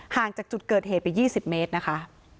ห่างจากจุดเกิดเหตุไป๒๐เมตรนะคะ